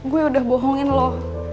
gue udah bohongin lo